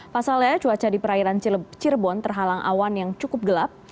pasalnya cuaca di perairan cirebon terhalang awan yang cukup gelap